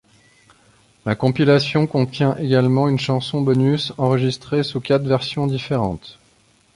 La compilation contient également une chanson bonus enregistrée sous quatre versions différentes.